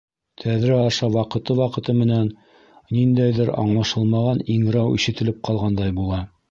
Тәҙрә аша ваҡыты-ваҡыты менән ниндәйҙер аңлашылмаған иңрәү ишетелеп ҡалғандай була.